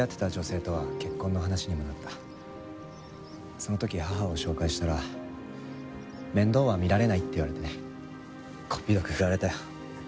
その時母を紹介したら面倒は見られないって言われてねこっぴどく振られたよ。